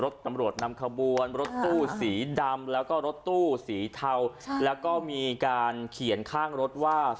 ถ่ายวีดีโอไงกันนะค่ะดู